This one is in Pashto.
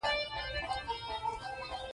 قاتل د خپل عمل بندي وي